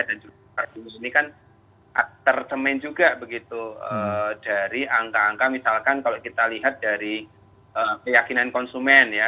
dan juga ini kan tercemen juga begitu dari angka angka misalkan kalau kita lihat dari keyakinan konsumen ya